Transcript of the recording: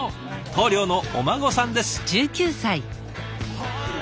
棟梁のお孫さんです。